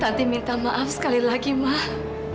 tante minta maaf sekali lagi emang